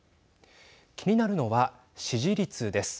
気になるのは支持率です。